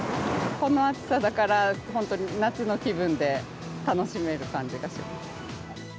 この暑さだから、本当に夏の気分で楽しめる感じがする。